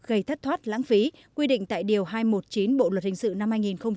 gây thất thoát lãng phí quy định tại điều hai trăm một mươi chín bộ luật hình sự năm hai nghìn một mươi năm